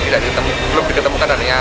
belum diketemukan adanya